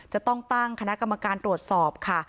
จะต้องตั้งคณะกรรมการตรวจสอบค่ะ